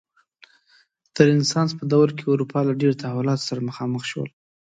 د رنسانس په دوره کې اروپا له ډېرو تحولاتو سره مخامخ شول.